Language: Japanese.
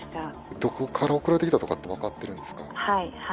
どこから送られてきたとかって分かっていますか？